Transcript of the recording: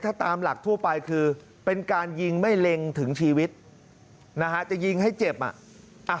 ถ้าตามหลักทั่วไปคือเป็นการยิงไม่เล็งถึงชีวิตนะฮะจะยิงให้เจ็บอ่ะ